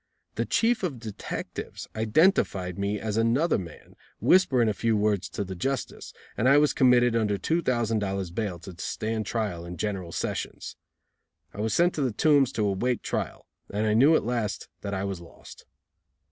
The Chief of detectives "identified" me as another man, whispering a few words to the justice, and I was committed under two thousand dollars bail to stand trial in General Sessions. I was sent to the Tombs to await trial, and I knew at last that I was lost.